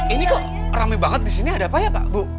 ini kok rame banget di sini ada apa ya pak bu